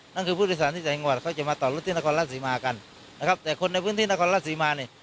ผู้โดยสารที่ต่างจังหวัดเขาจะมาต่อรถที่นครราชสีมากันนะครับแต่คนในพื้นที่นครราชสีมาเนี่ย